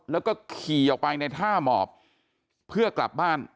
แล้วก็ขี่ออกไปในท่าหมอบเพื่อกลับบ้าน